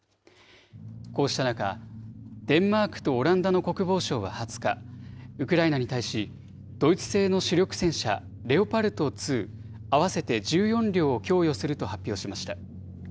こうした中、デンマークとオランダの国防省は２０日、ウクライナに対し、ドイツ製の主力戦車、レオパルト２合わせて１４両を供与すると発表しました。